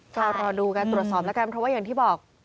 ก็รอดูการตรวจสอบแล้วกันเพราะว่าอย่างที่บอก